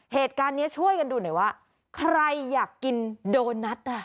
เหตุการณ์นี้ช่วยกันดูหน่อยว่าใครอยากกินโดนัทอ่ะ